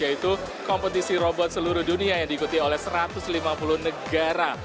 yaitu kompetisi robot seluruh dunia yang diikuti oleh satu ratus lima puluh negara